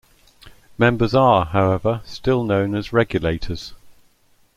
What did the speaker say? Members are, however, still known as "Regulators".